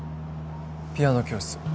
ピアノ教室。